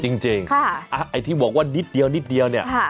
จริงจริงค่ะอ่ะไอ้ที่บอกว่านิดเดียวนิดเดียวเนี้ยค่ะ